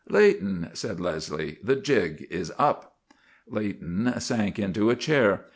"Leighton," said Leslie, "the jig is up." Leighton sank into a chair.